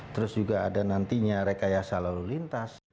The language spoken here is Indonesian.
terus juga ada nantinya rekayasa lalu lintas